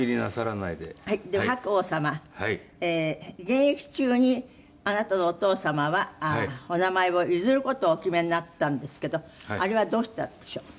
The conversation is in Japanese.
現役中にあなたのお父様はお名前を譲る事をお決めになったんですけどあれはどうしてだったんでしょう？